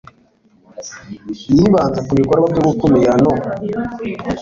yibanze ku bikorwa byo gukumira no